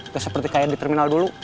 terus seperti kayak di terminal dulu